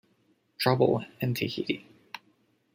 Trouble in Tahiti.